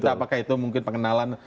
apakah itu mungkin pengenalan